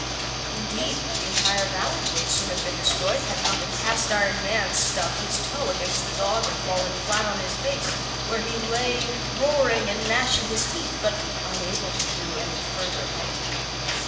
Indeed, the entire Valley would soon have been destroyed had not the Cast iron Man stubbed his toe against the dog and fallen flat on his face, where he lay roaring and gnashing his teeth, but unable to do any further harm.